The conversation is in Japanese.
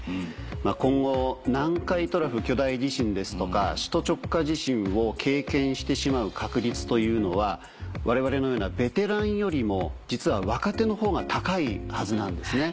今後南海トラフ巨大地震ですとか首都直下地震を経験してしまう確率というのは我々のようなベテランよりも実は若手のほうが高いはずなんですね。